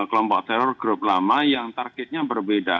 kelompok teror grup lama yang targetnya berbeda